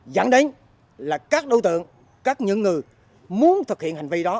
dẫn đến là các đối tượng các những người muốn thực hiện hành vi đó